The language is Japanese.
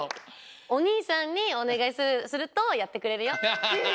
おにいさんにおねがいするとやってくれるよ。